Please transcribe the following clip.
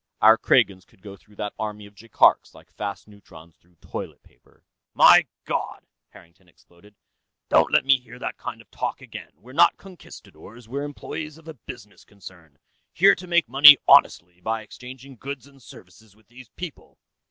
Our Kragans could go through that army of Jaikark's like fast neutrons through toilet paper." "My God!" Harrington exploded. "Don't let me hear that kind of talk again! We're not conquistadores; we're employees of a business concern, here to make money honestly, by exchanging goods and services with these people...."